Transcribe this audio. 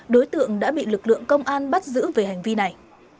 đối tượng đã bị lực lượng công an bắt giữ về hành vi này